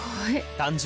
誕生！